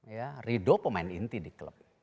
ya ridho pemain inti di klub